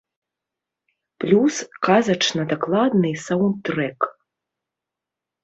Плюс казачна дакладны саўндтрэк.